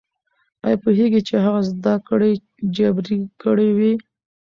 ايا پوهېږئ چې هغه زده کړې جبري کړې وې؟